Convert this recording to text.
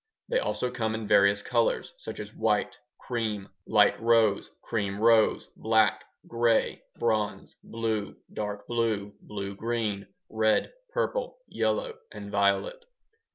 They also come in various colors, such as white, cream, light rose, cream rose, black, gray, bronze, blue, dark blue, blue green, red, purple, yellow, and violet.